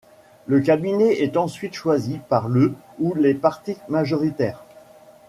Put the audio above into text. Le cabinet est ensuite choisi par le ou les partis majoritaires.